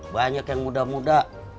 banyak yang muda muda